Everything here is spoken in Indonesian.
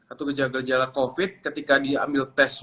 atau gejala covid ketika diambil test swab itu